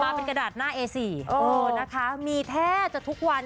เป็นกระดาษหน้าเอสีนะคะมีแทบจะทุกวัน